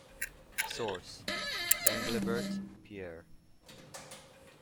Source: Englebert, Pierre.